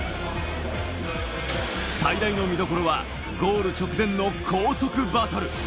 最大の見どころはゴール直前の高速バトル。